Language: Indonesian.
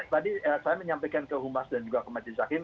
tadi saya menyampaikan ke humas dan juga ke majelis hakim